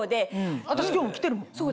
私今日も着てるもん